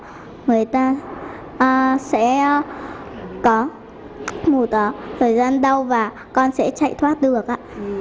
người ta sẽ có một thời gian đau và con sẽ chạy thoát được ạ